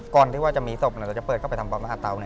ก่อนที่ว่าจะมีศพเราจะเปิดเข้าไปทำบ่อมหาเตา